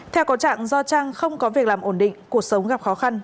theo có trạng do trang không có việc làm ổn định cuộc sống gặp khó khăn